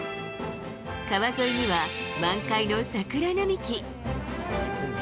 川沿いには満開の桜並木。